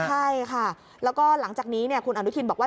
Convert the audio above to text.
ใช่ค่ะแล้วก็หลังจากนี้คุณอนุทินบอกว่า